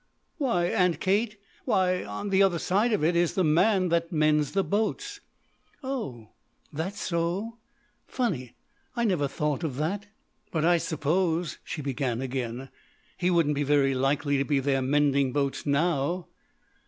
"Why, Aunt Kate why on the other side of it is the man that mends the boats." "Oh, that so? Funny I never thought of that. "But I suppose," she began again, "he wouldn't be very likely to be there mending boats now?"